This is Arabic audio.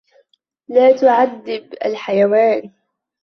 لَا تُعَذِّبْ الْحَيَوَانَ.